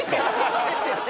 そうですよね。